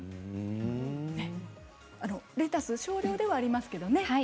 レタス少量ではありますけれどもね。